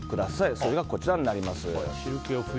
それがこちらになります。